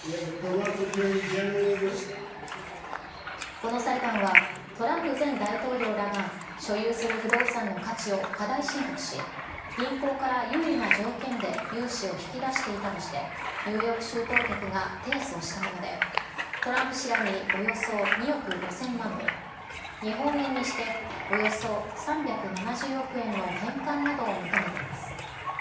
この裁判は、トランプ前大統領らが所有する不動産の価値を過大申告し、銀行から有利な条件で融資を引き出していたとして、ニューヨーク州当局が提訴したもので、トランプ氏らにおよそ２億５０００万ドル、日本円にしておよそ３７０億円の返還などを求めています。